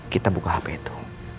kita buka hp itu